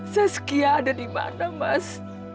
saskia ada dimana mas